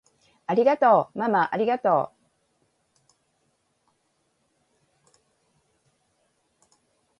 ありがとうままありがとう！